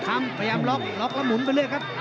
พยายามล็อกล็อกแล้วหมุนไปเรื่อยครับ